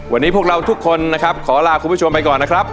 วันนี้พวกเราทุกคนนะครับขอลาคุณผู้ชมไปก่อนนะครับ